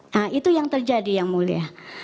nah itu yang terjadi yang mulia